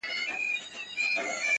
یو په بل کي ورکېدلای-